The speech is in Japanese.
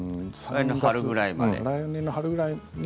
来年の春くらいまで？